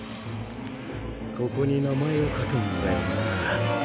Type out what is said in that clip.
ここに名前を書くんだよな。